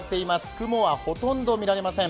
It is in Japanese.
雲はほとんど見られません。